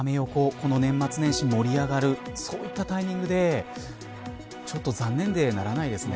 この年末年始、盛り上がるそういったタイミングでちょっと残念でならないですね。